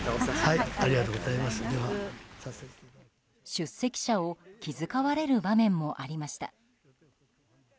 出席者を気遣われる場面もありました。